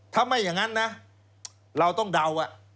ถ้าไม่อย่างนั้นนะเราต้องเดา